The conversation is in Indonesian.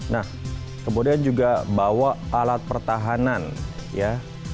nah kemudian juga bawa alat pertahanan ya